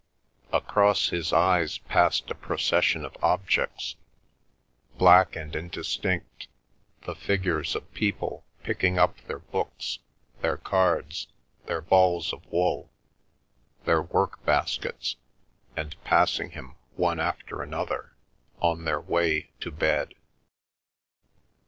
Across his eyes passed a procession of objects, black and indistinct, the figures of people picking up their books, their cards, their balls of wool, their work baskets, and passing him one after another on their way to bed.